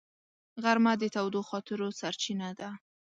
غرمه د تودو خاطرو سرچینه ده